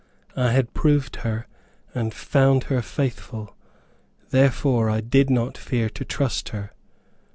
I had proved her, and found her faithful, therefore I did not fear to trust her.